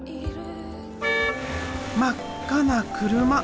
真っ赤な車！